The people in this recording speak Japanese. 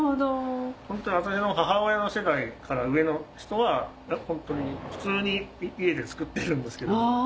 ホントに私の母親の世代から上の人はホントに普通に家で作ってるんですけど。